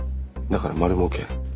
だから丸もうけ。